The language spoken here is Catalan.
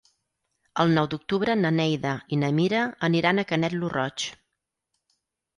El nou d'octubre na Neida i na Mira aniran a Canet lo Roig.